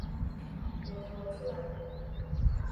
我逃出来